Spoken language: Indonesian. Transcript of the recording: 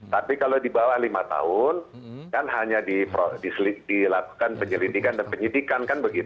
tapi kalau di bawah lima tahun kan hanya dilakukan penyelidikan dan penyidikan kan begitu